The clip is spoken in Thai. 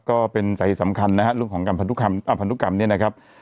ก็เป็นสัยสำคัญนะฮะเรื่องของกรรมพันธุกรรมอ่าพันธุกรรมเนี้ยนะครับ